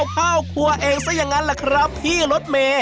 ของเราข้าวครัวเองซะอย่างนั้นแหละครับพี่รสเม